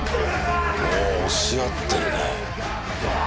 お押し合ってるね。